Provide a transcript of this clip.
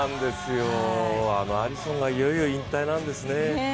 あのアリソンがいよいよ引退なんですね。